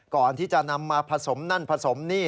ก่อนที่จะนำมาผสมนั่นผสมนี่